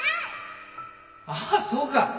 ああそうか。